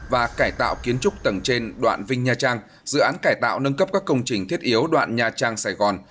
và cải tạo kiến trúc tầng trên đoạn vinh nha trang dự án cải tạo nâng cấp các công trình thiết yếu đoạn nha trang sài gòn